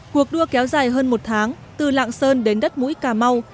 cuộc đua kéo dài hơn một tháng từ lạng sơn đến đất mũi cà mau